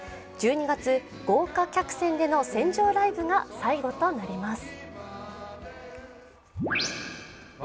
１２月、豪華客船での船上ライブが最後となります。